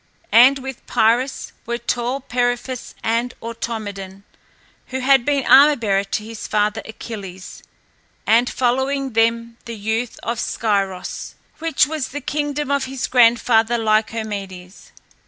And with Pyrrhus were tall Periphas, and Automedon, who had been armor bearer to his father Achilles, and following them the youth of Scyros, which was the kingdom of his grandfather Lycomedes.